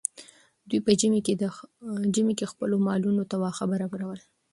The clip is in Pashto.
دوی په ژمي کې خپلو مالونو ته واښه برابرول.